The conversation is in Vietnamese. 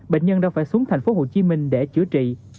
bệnh nhân đã phải xuống thành phố hồ chí minh để chữa trị